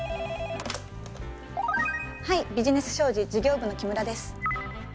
はいビジネス商事事業部の木村です。